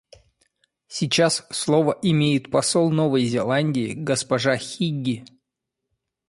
Сейчас слово имеет посол Новой Зеландии госпожа Хигги.